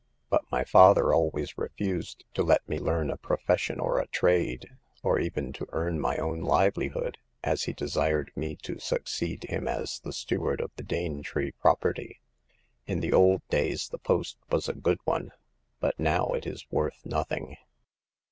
But my father always refused to let me learn a profession or a trade, or even to earn my own livelihood, as he desired me to succeed him as the steward of the Danetree property. In the old days the post was a good one ; but now it is worth nothing."